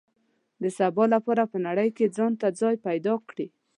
د سبا لپاره په نړۍ کې ځان ته ځای پیدا کړي.